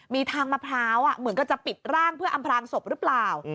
มีทางมะพร้าวเหมือนกับจะปิดร่างเพื่ออำพลางศพหรือเปล่า